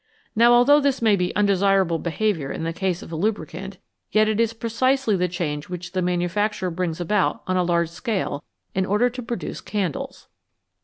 Now, although this may be undesirable behaviour in the case of a lubricant, yet it is precisely the change which the manu facturer brings about on a large scale in order to pro duce candles.